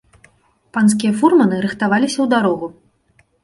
Панскія фурманы рыхтаваліся ў дарогу.